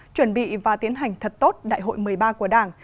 chuẩn bị và tiến hành thật tốt đại hội một mươi ba của đảng